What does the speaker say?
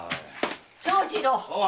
長次郎！